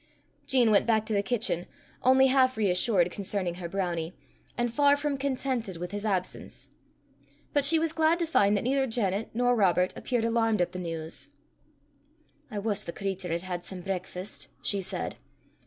Jean went back to the kitchen, only half reassured concerning her brownie, and far from contented with his absence. But she was glad to find that neither Janet nor Robert appeared alarmed at the news. "I wuss the cratur had had some brakfast," she said.